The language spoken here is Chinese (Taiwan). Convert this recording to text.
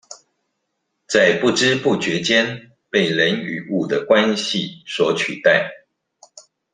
在不知不覺間被人與物的關係所取代